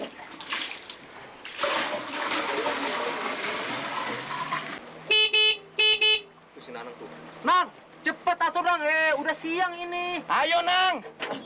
mal runtuh cepet aturannya udah siang ini ayo nang